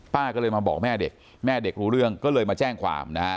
ป้าก็เลยมาบอกแม่เด็กแม่เด็กรู้เรื่องก็เลยมาแจ้งความนะฮะ